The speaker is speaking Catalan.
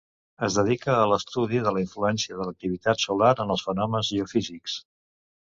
Es dedica a l'estudi de la influència de l'activitat solar en els fenòmens geofísics.